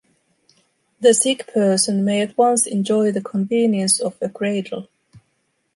The sick person may at once enjoy the convenience of a cradle.